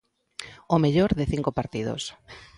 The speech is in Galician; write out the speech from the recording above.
O mellor de cinco partidos.